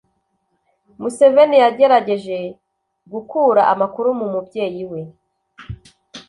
Museveni yagerageje gukura amakuru mu mubyeyi we